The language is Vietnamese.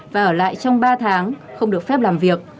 và ở lại trong ba tháng không được phép làm việc